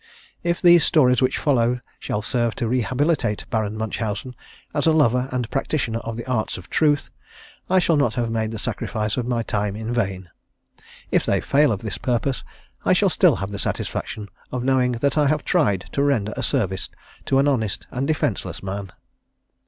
If these stories which follow shall serve to rehabilitate Baron Munchausen as a lover and practitioner of the arts of Truth, I shall not have made the sacrifice of my time in vain. If they fail of this purpose I shall still have the satisfaction of knowing that I have tried to render a service to an honest and defenceless man.